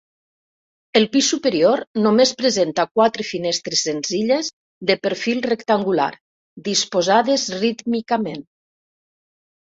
El pis superior només presenta quatre finestres senzilles de perfil rectangular, disposades rítmicament.